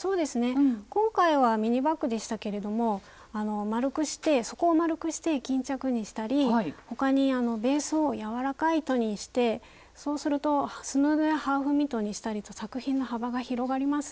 今回はミニバッグでしたけれども底を丸くして巾着にしたり他にベースを柔らかい糸にしてそうするとスヌードやハーフミトンにしたりと作品の幅が広がります。